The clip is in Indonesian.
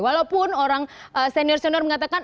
walaupun orang senior senior mengatakan